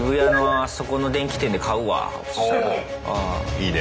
いいね。